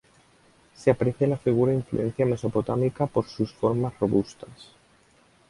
Se aprecia en la figura influencia mesopotámica por sus formas robustas.